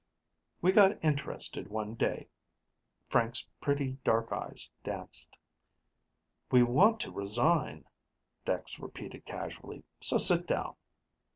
"We got interested one day." Frank's pretty, dark eyes danced. "We want to resign," Dex repeated casually, "so sit down."